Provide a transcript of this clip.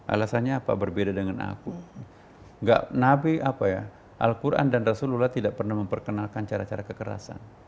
alasannya apa berbeda dengan aku enggak nabi apa ya al quran dan rasulullah tidak pernah memperkenalkan cara cara kekerasan